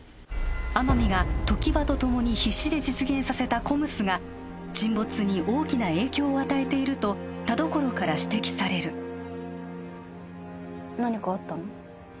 天海が常盤とともに必死で実現させたＣＯＭＳが沈没に大きな影響を与えていると田所から指摘される何かあったの？